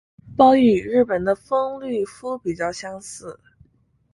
褓与日本的风吕敷比较相似。